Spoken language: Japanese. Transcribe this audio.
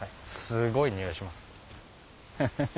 すごいにおいしますハハハ。